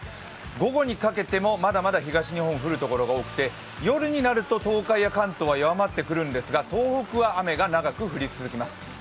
午後にかけてもまだまだ東日本、降るところが多くて夜になると東海や関東は弱まってくるんですが東北は雨が長く降り続きます。